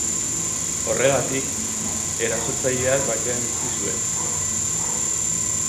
Horregatik, erasotzaileak bakean utzi zuen.